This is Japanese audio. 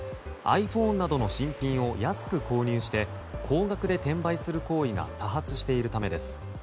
ｉＰｈｏｎｅなどの新品を安く購入して高額で転売する行為が多発しているためです。